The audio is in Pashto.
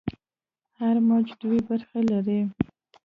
هر موج دوې برخې لري.